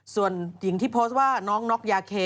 ส่วนหญิงที่โพสต์ว่าน้องน็อกยาเค